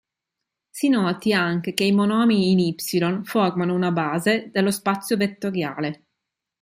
Si noti anche che i monomi in "Y" formano una base dello spazio vettoriale.